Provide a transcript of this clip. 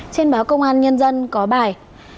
trên báo công an nhân dân có bài